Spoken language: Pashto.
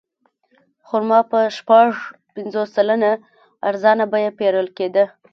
خرما په شپږ پنځوس سلنه ارزانه بیه پېرل کېده.